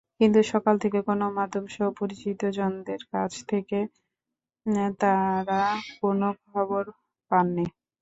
কিন্তু সকাল থেকে গণমাধ্যমসহ পরিচিতজনদের কাছ থেকে তাঁরা কোনো ভালো খবর পাননি।